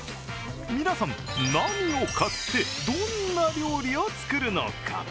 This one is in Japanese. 皆さん、何を買って、どんな料理を作るのか。